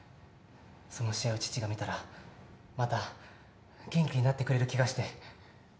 その試合を父が見たら、また、元気になってくれる気がして。